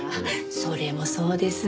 それもそうですね。